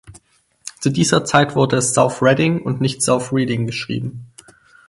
Zu dieser Zeit wurde es South Redding und nicht South Reading geschrieben.